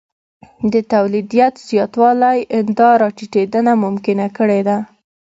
د تولیدیت زیاتوالی دا راټیټېدنه ممکنه کړې ده